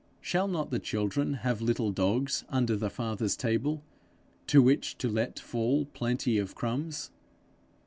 Shall not the children have little dogs under the Father's table, to which to let fall plenty of crumbs?